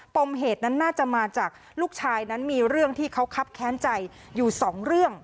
ปมเหตุนั้นน่าจะมาจากลูกชายนั้นมีเรื่องที่เขาคับแค้นใจอยู่สองเรื่อง